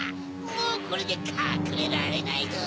もうこれでかくれられないぞ！